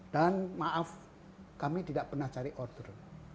dan maaf kami tidak pernah cari order